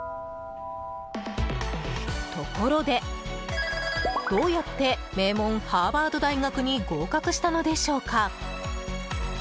ところで、どうやって名門ハーバード大学に合格したのでしょうか？